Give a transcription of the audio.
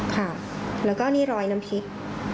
ค่ะแล้วก็นี่รอยน้ำพริก